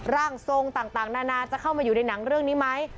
ร่างทรงต่างนานาจะเข้ามาอยู่ในหนังเรื่องนี้ไหม